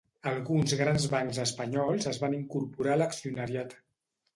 Alguns grans bancs espanyols es van incorporar a l'accionariat.